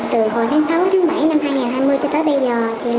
từ hồi tháng sáu tháng bảy năm hai nghìn hai mươi cho tới bây giờ